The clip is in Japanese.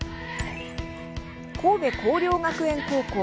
神戸弘陵学園高校。